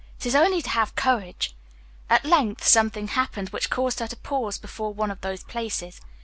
"It is only to have courage." At length something happened which caused her to pause before one of those places.